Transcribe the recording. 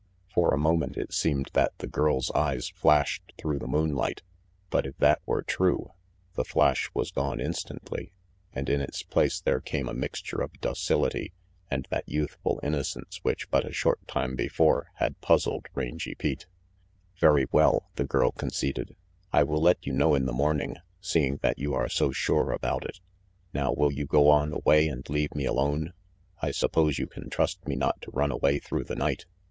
For a moment it seemed that the girl's eyes flashed through the moonlight, but if that were true, the flash was gone instantly, and in its place there came a mixture of docility and that youthful innocence which but a short time before had puzzled Rangy Pete. 304 RANGY PETE "Very well," the girl conceded, "I will let you know in the morning, seeing that you are so sure about it. Now, will you go on away and leave me alone. I suppose you can trust me not to run away through the night.